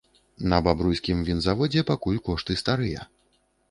На бабруйскім вінзаводзе пакуль кошты старыя.